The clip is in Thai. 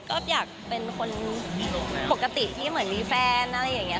ก็อยากเป็นคนปกติที่เหมือนมีแฟนอะไรอย่างนี้